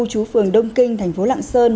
chú phường đông kinh thành phố lạng sơn